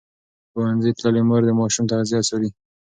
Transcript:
ښوونځې تللې مور د ماشوم تغذیه څاري.